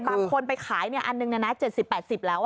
บางคนไปขายอันนึงนะนะ๗๐๘๐แล้ว